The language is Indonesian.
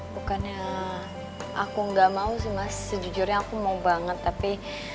bukannya aku nggak mau sih mas sejujurnya aku mau banget tapi